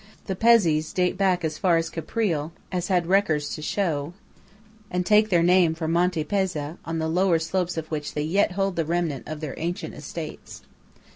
The Pezzés date back as far as Caprile has records to show, and take their name from the Monte Pezza, on the lower slopes of which they yet hold the remnant of their ancient estates.